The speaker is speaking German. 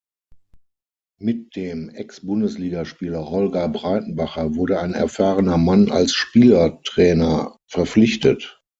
Mit dem Ex-Bundesligaspieler Holger Breitenbacher wurde ein erfahrener Mann als Spielertrainer verpflichtet.